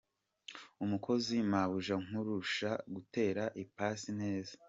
Umukozi: mabuja nkurusha gutera ipasi neza!.